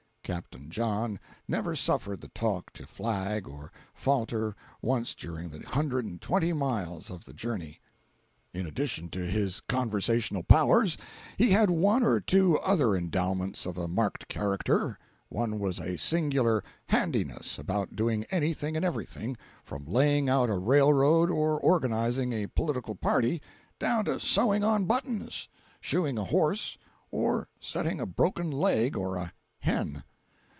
Capt. John never suffered the talk to flag or falter once during the hundred and twenty miles of the journey. In addition to his conversational powers, he had one or two other endowments of a marked character. One was a singular "handiness" about doing anything and everything, from laying out a railroad or organizing a political party, down to sewing on buttons, shoeing a horse, or setting a broken leg, or a hen.